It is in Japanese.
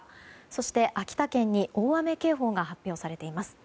そして秋田県に大雨警報が発表されています。